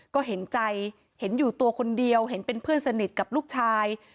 ก็เห็นใจเห็นอยู่ตัวคนเดียวเห็นเป็นเพื่อนสนิทกับลูกชาย